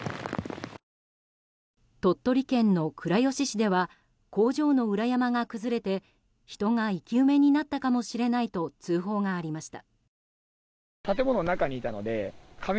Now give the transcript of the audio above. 鳥取県の倉吉市では工場の裏山が崩れて人が生き埋めになったかもしれないと通報がありました。